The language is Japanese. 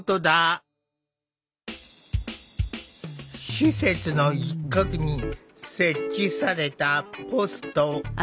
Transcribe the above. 施設の一角に設置されたポスト。